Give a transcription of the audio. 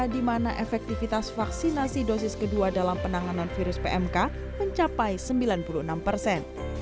di mana efektivitas vaksinasi dosis kedua dalam penanganan virus pmk mencapai sembilan puluh enam persen